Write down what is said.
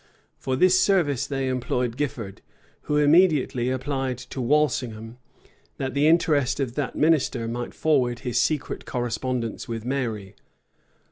For this service they employed Gifford, who immediately applied to Walsingham, that the interest of that minister might forward his secret correspondence with Mary.